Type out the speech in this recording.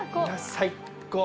最高。